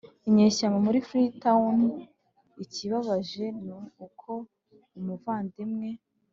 inyeshyamba muri Freetown Ikibabaje ni uko umuvandimwe